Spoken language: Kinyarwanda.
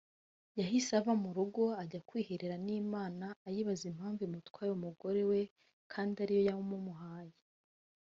yahise ava mu rugo ajya kwiherera n'Imana ayibaza impamvu imutwaye umugore we kandi ari yo yamumuhaye